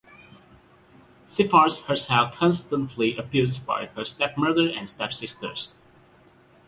She finds herself constantly abused by her stepmother and stepsisters.